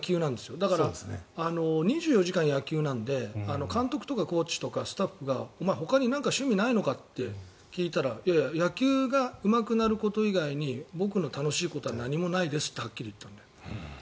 だから、２４時間野球なので監督とかコーチとかスタッフがお前ほかに趣味ないのかって聞いたら野球がうまくなること以外に僕の楽しいことは何もないですとはっきり言ったと。